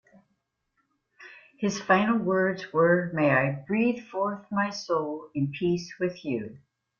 His final words were: "May I breathe forth my soul in peace with you".